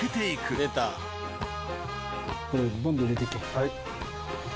はい。